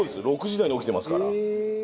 ６時台に起きてますから。